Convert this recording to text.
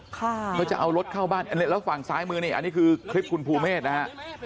เขาจะเอารถเข้าบ้านอันนี้แล้วฝั่งซ้ายมือนี่อันนี้คือคลิปคุณภูเมฆนะฮะ